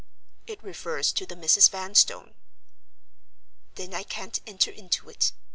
"It refers to the Misses Vanstone." "Then I can't enter into it.